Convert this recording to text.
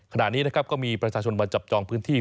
ขณะนี้นะครับก็มีประชาชนมาจับจองพื้นที่